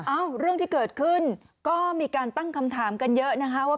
เอ้าเรื่องที่เกิดขึ้นก็มีการตั้งคำถามกันเยอะนะคะว่า